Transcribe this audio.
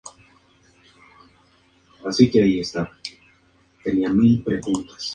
Es el primero de una serie de retratos en grupo.